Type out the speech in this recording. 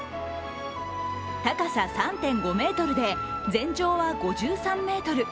高さ３．５ｍで全長は５３ｍ。